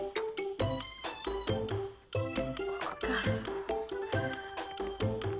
ここかぁ。